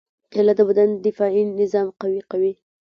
کېله د بدن دفاعي نظام قوي کوي.